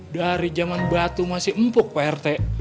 dari zaman batu masih empuk pak rt